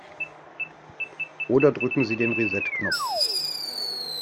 Oder drücken Sie den Reset-Knopf.